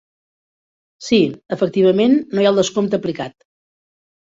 Sí, efectivament no hi ha el descompte aplicat.